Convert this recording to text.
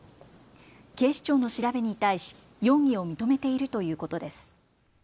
警視庁の調べに対し容疑を認めているということです。